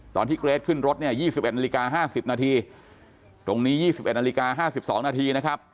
เกรทขึ้นรถเนี่ย๒๑นาฬิกา๕๐นาทีตรงนี้๒๑นาฬิกา๕๒นาทีนะครับ